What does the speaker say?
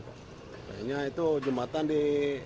pengennya itu jembatan di